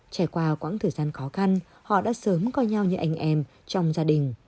trải qua quãng thời gian khó khăn họ đã sớm coi nhau như anh em trong gia đình